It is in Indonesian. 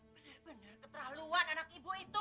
benar benar keterlaluan anak ibu itu